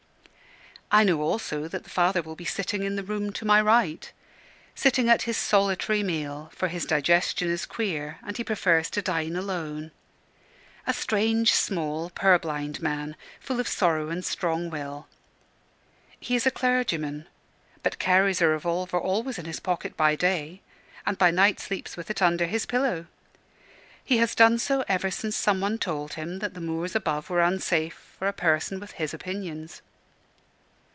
I know also that the father will be sitting in the room to my right sitting at his solitary meal, for his digestion is queer, and he prefers to dine alone: a strange, small, purblind man, full of sorrow and strong will. He is a clergyman, but carries a revolver always in his pocket by day, and by night sleeps with it under his pillow. He has done so ever since some one told him that the moors above were unsafe for a person with his opinions.